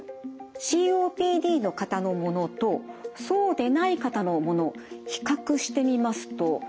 ＣＯＰＤの方のものとそうでない方のもの比較してみますとどうでしょう？